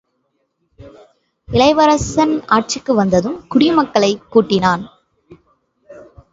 இளவரசன் ஆட்சிக்கு வந்ததும், குடிமக்களைக் கூட்டினான்.